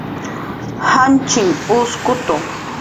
janchinh uskutu